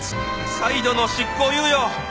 ・「再度の執行猶予！」